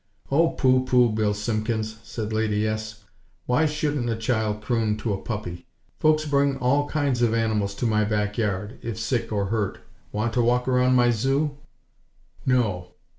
"Oh, pooh pooh, Bill Simpkins!" said Lady S. "Why shouldn't a child croon to a puppy? Folks bring all kinds of animals to my back yard, if sick or hurt. Want to walk around my zoo?" "_No!!